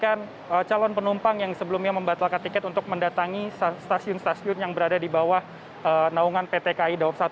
kita akan calon penumpang yang sebelumnya membatalkan tiket untuk mendatangi stasiun stasiun yang berada di bawah naungan pt kai dawab satu